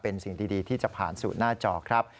เป็นสิ่งดีที่จะผ่านสู่หน้าจอครับ